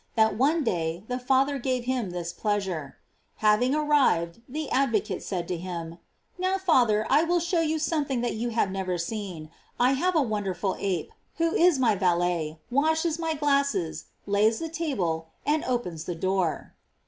that one day the Father gave him this pleasure. Having arrived, the advocate said to him? "Now, Father, I will show you something that you have never seen. I have a wonderful ape, who is my valet, washes my glasses, lays the table, and opens the door."